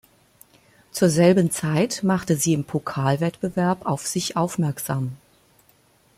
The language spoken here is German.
Zur selben Zeit machte sie im Pokalwettbewerb auf sich aufmerksam.